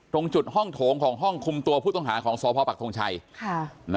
ตรงจุดห้องโถงของห้องคุมตัวผู้ต้องหาของสพปักทงชัย